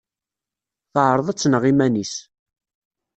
Teɛreḍ ad tneɣ iman-is.